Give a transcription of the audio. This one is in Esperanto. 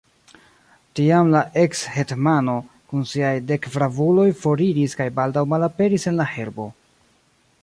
Tiam la ekshetmano kun siaj dek bravuloj foriris kaj baldaŭ malaperis en la herbo.